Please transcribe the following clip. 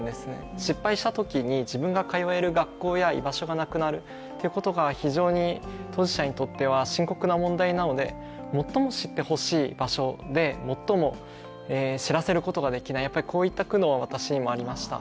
失敗したときに自分が通える学校や居場所がなくなるってことが非常に、当事者にとっては深刻な問題なので最も知ってほしい場所で最も知らせることができない、やっぱりこういった苦悩が私にもありました。